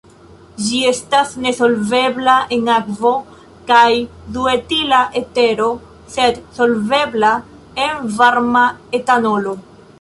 Ĝi estas nesolvebla en akvo kaj duetila etero sed solvebla en varma etanolo.